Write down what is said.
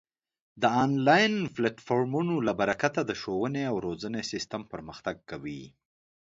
د آنلاین پلتفورمونو له برکته د ښوونې او روزنې سیستم پرمختګ کوي.